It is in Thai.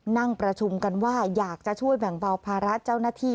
นั่งประชุมกันว่าอยากจะช่วยแบ่งเบาภาระเจ้าหน้าที่